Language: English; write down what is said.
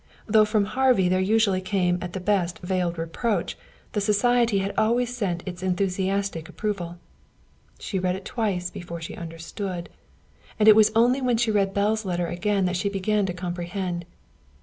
Though from Harvey there usually came at the best veiled reproach, the society had always sent its enthusiastic approval. She read it twice before she understood, and it was only when she read Belle's letter again that she began to comprehend.